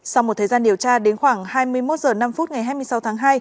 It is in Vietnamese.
sau một thời gian điều tra đến khoảng hai mươi một h năm ngày hai mươi sáu tháng hai